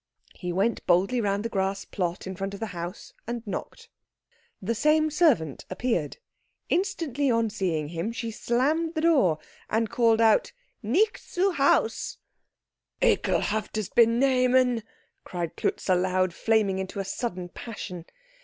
He went boldly round the grass plot in front of the house and knocked. The same servant appeared. Instantly on seeing him she slammed the door, and called out "Nicht zu Haus!" "Ekelhaftes Benehmen!" cried Klutz aloud, flaming into sudden passion.